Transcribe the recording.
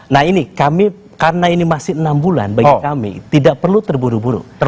nah ini kami karena ini masih enam bulan bagi kami tidak perlu terburu buru